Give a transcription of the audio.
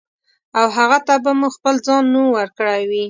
او هغه څه ته به مو خپل ځان نوم ورکړی وي.